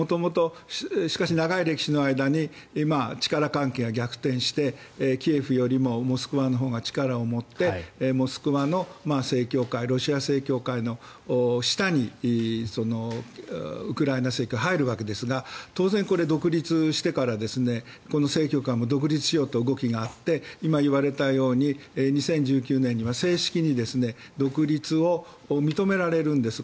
しかし長い歴史の間に力関係が逆転してキエフよりもモスクワのほうが力を持ってモスクワの正教会ロシア正教会の下にウクライナ正教が入るわけですが当然、独立してからこの正教会も独立しようという動きがあって今言われたように２０１９年には正式に独立を認められるんです。